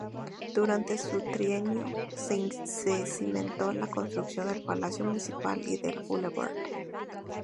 Durante su trienio, se cimentó la construcción del Palacio Municipal y del Blvd.